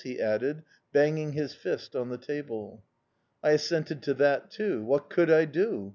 he added, banging his fist on the table. "I assented to that too... What could I do?